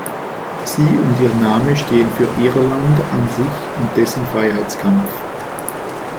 Sie und ihr Name stehen für Irland an sich und dessen Freiheitskampf.